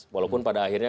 walaupun pada akhirnya